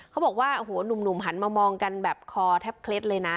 เขาบอกว่าโอ้โหหนุ่มหันมามองกันแบบคอแทบเคล็ดเลยนะ